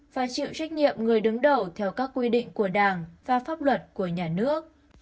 và chịu trách nhiệm người đứng đầu theo các quy định của đảng và pháp luật của nhà nước